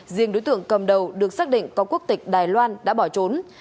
riêng đối tượng cầm đầu được xác định có quốc tịch đài loan đã bỏ trốn